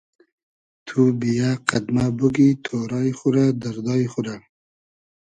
تو بییۂ قئد مۂ بوگی تۉرای خو رۂ دئردای خو رۂ